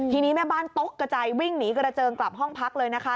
ทีนี้แม่บ้านตกกระจายวิ่งหนีกระเจิงกลับห้องพักเลยนะคะ